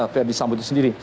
ferdis sambo itu sendiri